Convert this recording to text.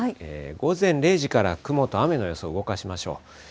午前０時から雲と雨の予想を動かしましょう。